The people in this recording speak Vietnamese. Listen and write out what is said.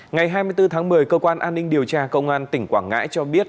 ngày hai mươi bốn tháng một mươi cơ quan an ninh điều tra công an tỉnh quảng ngãi cho biết